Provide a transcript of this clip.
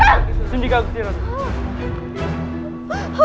hanya saya yang menyerah